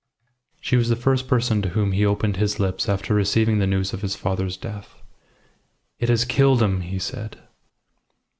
She was the first person to whom he opened his lips after receiving the news of his father's death. "It has killed him!" he said.